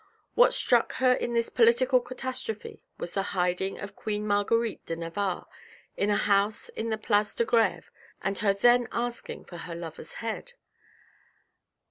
What struck her in this political catastrophe, was the hiding of Queen Marguerite de Navarre in a house in the place de Greve and her then asking for her lover's head.